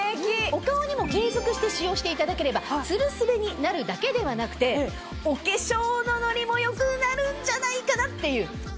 お顔にも継続して使用していただければツルスベになるだけではなくてお化粧のノリも良くなるんじゃないかなっていう。